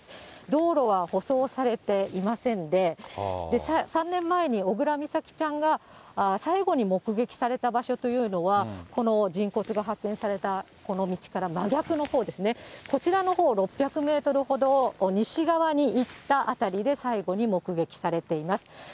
道路は舗装されていませんで、３年前に小倉美咲ちゃんが、最後に目撃された場所というのは、この人骨が発見されたこの道から真逆のほうですね、こちらのほう６００メートルほど西側に行った辺りで、最後に目撃されています。